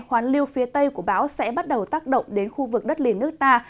hoàn lưu phía tây của bão sẽ bắt đầu tác động đến khu vực đất liền nước ta